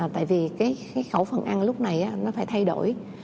tại vì cái khẩu phần ăn lúc này nó phải thay đổi